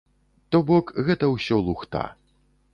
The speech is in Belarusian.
То бок, гэта ўсё лухта.